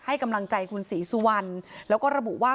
ให้กำลังใจคุณศรีสุวรรณแล้วก็ระบุว่า